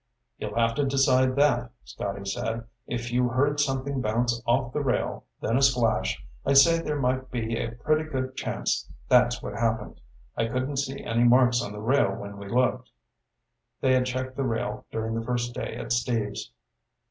"You'll have to decide that," Scotty said. "If you heard something bounce off the rail, then a splash, I'd say there might be a pretty good chance that's what happened. I couldn't see any marks on the rail when we looked." They had checked the rail during the first day at Steve's.